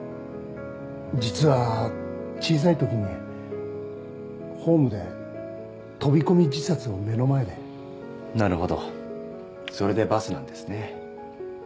実は小さいときにホームで飛び込み自殺を目の前でなるほどそれでバスなんですね